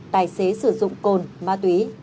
tài xế sử dụng cồn ma túy